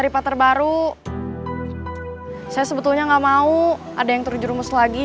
tapi kayaknya sekarang udah pergi